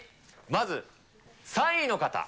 まず３位の方。